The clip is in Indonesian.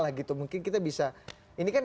lah gitu mungkin kita bisa ini kan